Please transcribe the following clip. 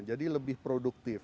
jadi lebih produktif